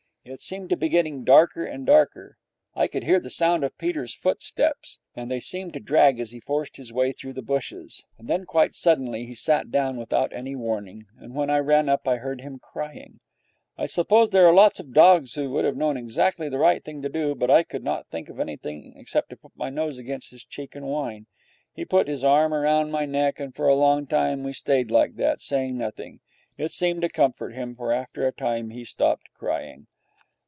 It seemed to be getting darker and darker. I could hear the sound of Peter's footsteps, and they seemed to drag as he forced his way through the bushes. And then, quite suddenly, he sat down without any warning, and when I ran up I heard him crying. I suppose there are lots of dogs who would have known exactly the right thing to do, but I could not think of anything except to put my nose against his cheek and whine. He put his arm round my neck, and for a long time we stayed like that, saying nothing. It seemed to comfort him, for after a time he stopped crying.